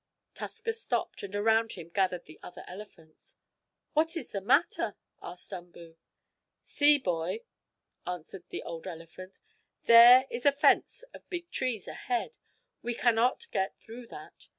Tusker stopped, and around him gathered the other elephants. "What is the matter?" asked Umboo. "See, boy," answered the old elephant. "There is a fence of big trees ahead. We can not get through that.